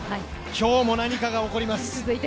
今日も何かが起こります。